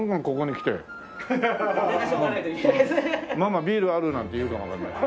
「ママビールある？」なんて言うかもわかんない。